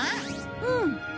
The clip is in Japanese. うん。